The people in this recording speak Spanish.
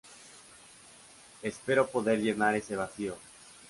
Espero poder llenar ese vacío.